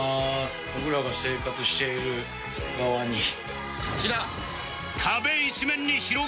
僕らが生活している側に。